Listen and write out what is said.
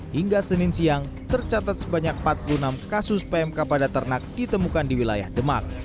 hingga senin siang tercatat sebanyak empat puluh enam kasus pmk pada ternak ditemukan di wilayah demak